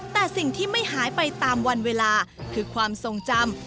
แต่สิ่งที่ไม่หายไปตามวันเวลาคือความทรงจำ